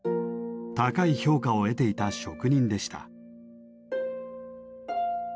高い評価を得ていた職人でした。